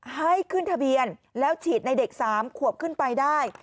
ให้ขึ้นทะเบียนแล้วฉีดในเด็ก๓ขวบขึ้นไปได้